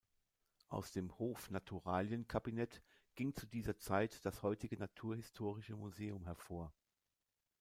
Aus dem Hof-Naturalien-Cabinet ging zu dieser Zeit das heutige Naturhistorische Museums hervor.